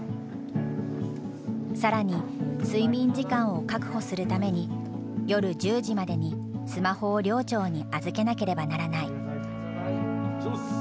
更に睡眠時間を確保するために夜１０時までにスマホを寮長に預けなければならない。